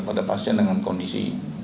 pada pasien dengan kondisi